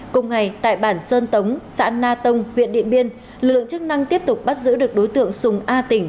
cùng ngày tại bản sơn tống xã na tông huyện điện biên lượng chức năng tiếp tục bắt giữ được đối tượng sùng a tỉnh